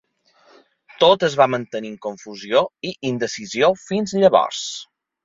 Tot es va mantenir en confusió i indecisió fins llavors!